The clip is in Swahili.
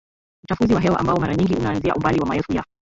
uchafuzi wa hewa ambao mara nyingi unaanzia umbali wa maelfu ya